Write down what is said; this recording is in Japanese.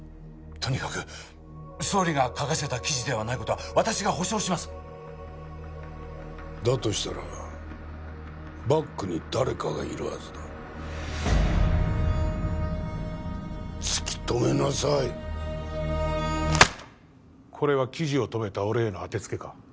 とにかく総理が書かせた記事ではないことは私が保証しますだとしたらバックに誰かがいるはずだ突き止めなさいこれは記事を止めた俺への当てつけか？